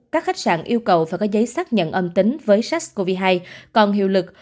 các khách sạn yêu cầu phải có giấy xác nhận âm tính với sars cov hai còn hiệu lực